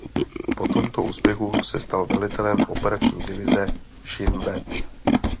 Po tomto úspěchu se stal velitelem operační divize Šin bet.